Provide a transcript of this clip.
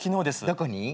どこに？